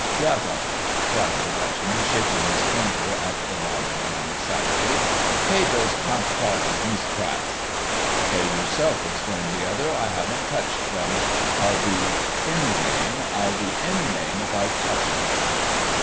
"Yah, soh," cried the Dutchman, shaking his finger at the lavender man, excitedly, "pay dose finf thalers, Meest'r Paites." "Pay yourself," exclaimed the other, "I haven't touched them. I'll be any name, I'll be any name if I've touched them."